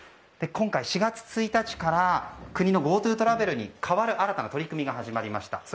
今回４月１日から国のＧｏＴｏトラベルに代わる新たな取り組みが始まりました。